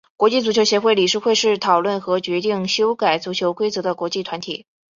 国际足球协会理事会是讨论和决定修改足球规则的国际团体。